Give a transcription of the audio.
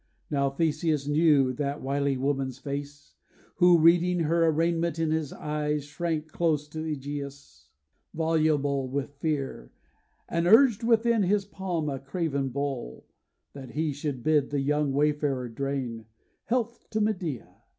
Now Theseus knew that wily woman's face, Who, reading her arraignment in his eyes, Shrank close to Ægeus, voluble with fear, And urged within his palm a carven bowl, That he should bid the young wayfarer drain Health to Medea!